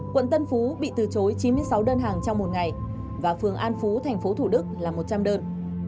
quận tân phú bị từ chối chín mươi sáu đơn hàng trong một ngày và phường an phú thành phố thủ đức là một trăm linh đơn